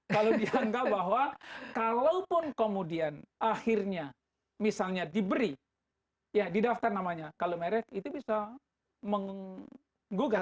kalau dianggap bahwa kalaupun kemudian akhirnya misalnya diberi ya didaftar namanya kalau merek itu bisa menggugat